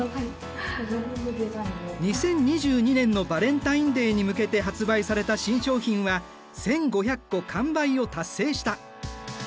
２０２２年のバレンタインデーに向けて発売された新商品は１，５００個完売を達成した。